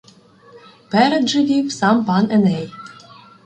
Перед же вів сам пан Еней.